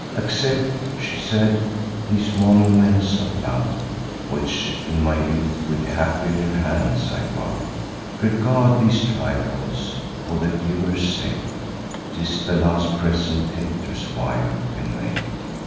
'Accept,' she said, 'these monuments of love, Which in my youth with happier hands I wove: Regard these trifles for the giver's sake; 'Tis the last present Hector's wife can make.